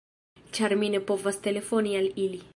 Ĉar mi ne povas telefoni al ili.